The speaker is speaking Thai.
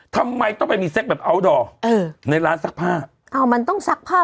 ทำไมต้องไปมีเซ็กแบบอัลดอร์เออในร้านซักผ้าอ้าวมันต้องซักผ้า